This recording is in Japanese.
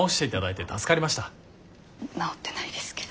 直ってないですけど。